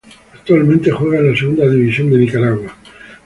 Actualmente juega en la Segunda División de Nicaragua.